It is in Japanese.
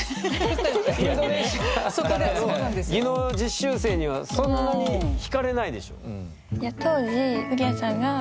インドネシアからの技能実習生にはそんなに引かれないでしょ？